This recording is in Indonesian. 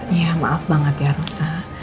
iya maaf banget ya rusa